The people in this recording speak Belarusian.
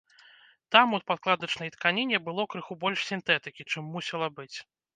Там у падкладачнай тканіне было крыху больш сінтэтыкі, чым мусіла быць.